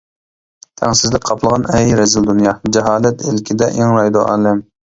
تەڭسىزلىك قاپلىغان ئەي رەزىل دۇنيا، جاھالەت ئىلكىدە ئىڭرايدۇ ئالەم.